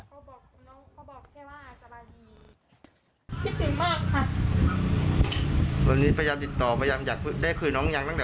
อยู่ได้หมดค่ะตอนนี้แก้อยากขอเลี้ยงลูกก่อนลูกก็ยังเล็กอยู่